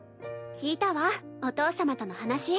聞いたわお父様との話。